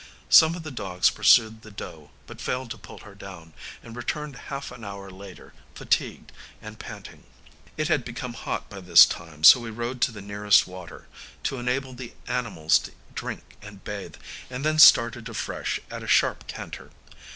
Some of the dogs pursued the doe, but failed to pull her down, and returned half an hour later fatigued and panting. It had become hot by this time, so we rode to the nearest water, to enable the animals to drink and bathe, and then started afresh at a sharp canter.